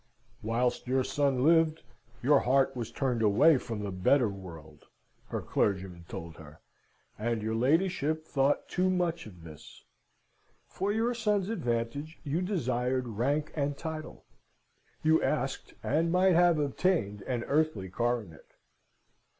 "Whilst your son lived, your heart was turned away from the better world" (her clergyman told her), "and your ladyship thought too much of this. For your son's advantage you desired rank and title. You asked and might have obtained an earthly coronet.